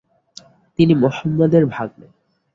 তিনি মুহাম্মদ এর ভাগ্নে।